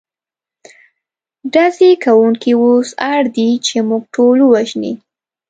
ډزې کوونکي اوس اړ دي، چې موږ ټول ووژني.